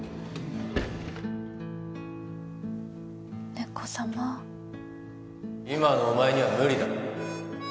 猫様今のお前には無理だ